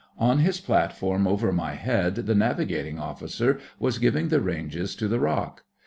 On his platform over my head the Navigating Officer was giving the ranges to the rock.